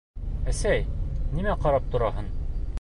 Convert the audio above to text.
Әсәй, нимә ҡарап тораһың?